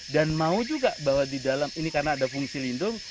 dan mau juga bahwa di dalam ini karena ada fungsi lindung